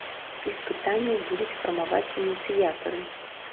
Спіс пытанняў будуць фармаваць ініцыятары.